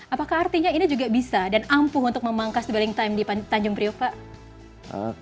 apakah artinya ini juga bisa dan ampuh untuk memangkas building time di tanjung priok pak